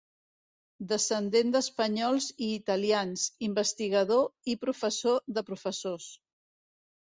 Descendent d'espanyols i italians, investigador i professor de professors.